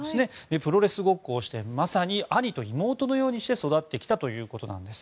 プロレスごっこをしてまさに兄と妹のようにして育ってきたということなんです。